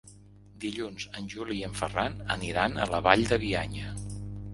Dilluns en Juli i en Ferran aniran a la Vall de Bianya.